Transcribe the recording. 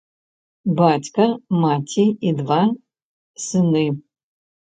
Бацька, маці і два сыны.